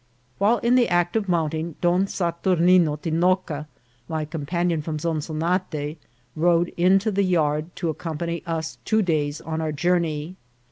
While in the act of mounting, Don Saturnine Tinoca, my companion from Zonzonate, rode into the yard, to accompany us two days on our journey.